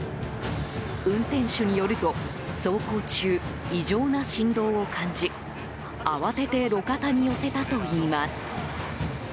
運転手によると走行中、異常な振動を感じ慌てて路肩に寄せたといいます。